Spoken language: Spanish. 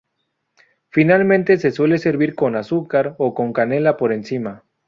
Finalmente se suele servir con azúcar o canela por encima.